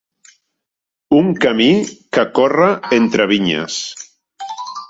Un camí que corre entre vinyes.